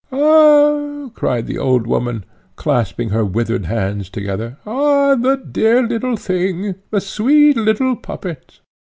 "Ah!" cried the old woman, clasping her withered hands together, "ah! the dear little thing! the sweet little puppet!"